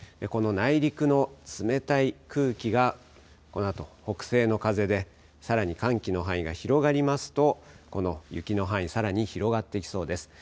この内陸の冷たい空気がこのあと北西の風でさらに寒気の範囲が広がりますとこの雪の範囲、さらに広がっていきそうです。